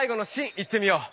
いってみよう！